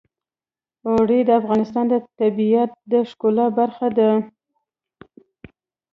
اوړي د افغانستان د طبیعت د ښکلا برخه ده.